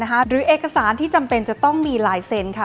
หรือเอกสารที่จำเป็นจะต้องมีลายเซ็นต์ค่ะ